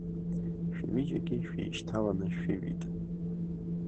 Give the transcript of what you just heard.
Шәҩыџьегь шәеишьҭаланы шәыҩит.